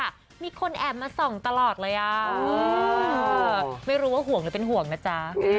มีคนแอบมาส่องตลอดเลยอ่ะไม่รู้ว่าห่วงหรือเป็นห่วงนะจ๊ะ